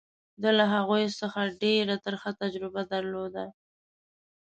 ده له هغوی څخه ډېره ترخه تجربه درلوده.